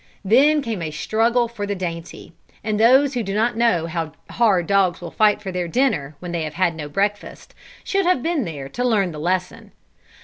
Then came a struggle for the dainty; and those who do not know how hard dogs will fight for their dinner, when they have had no breakfast, should have been there to learn the lesson.